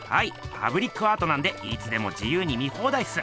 パブリックアートなんでいつでも自由に見放題っす！